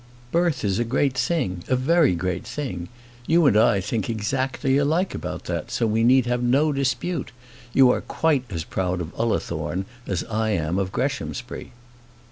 "Birth is a great thing, a very great thing. You and I think exactly alike about that, so we need have no dispute. You are quite as proud of Ullathorne as I am of Greshamsbury."